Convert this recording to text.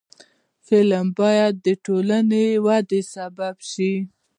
فلم باید د ټولنې د ودې سبب شي